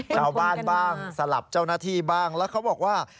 ชาวบ้านบ้างสลับเจ้าหน้าที่บ้างแล้วเขาบอกว่า